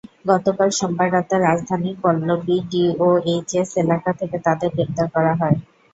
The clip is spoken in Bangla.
গতকাল সোমবার রাতে রাজধানীর পল্লবী ডিওএইচএস এলাকা থেকে তাঁদের গ্রেপ্তার করা হয়।